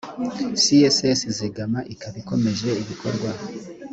css zigama ikaba ikomeje ibikorwa